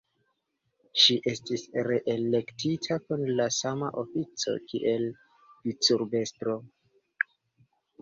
Ŝi estis reelektita kun la sama ofico kiel vicurbestro.